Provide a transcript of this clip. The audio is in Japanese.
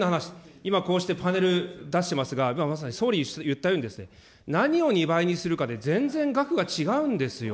今こうしてパネル、出してますが、今まさに総理言ったように、何を２倍にするかで全然額が違うんですよ。